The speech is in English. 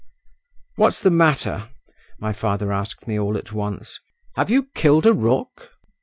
"What's the matter?" my father asked me all at once: "have you killed a rook?"